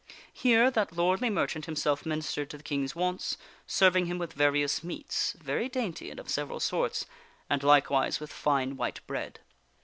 Here that lordly merchant himself ministered to the King's wants, serving him with various meats very dainty, and of several sorts and likewise with fine white bread.